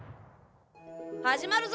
始まるぞ！